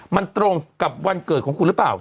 มันตรงกับวันเกิดของคุณหรือเปล่า